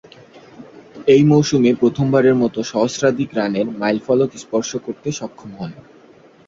ঐ মৌসুমে প্রথমবারের মতো সহস্রাধিক রানের মাইলফলক স্পর্শ করতে সক্ষম হন।